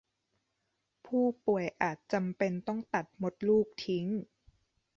ผู้ป่วยอาจจำเป็นต้องตัดมดลูกทิ้ง